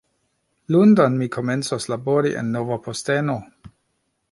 Lundon, mi komencos labori en nova posteno